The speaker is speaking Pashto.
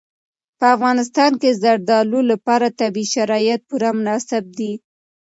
په افغانستان کې د زردالو لپاره طبیعي شرایط پوره مناسب دي.